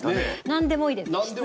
何でもいいです。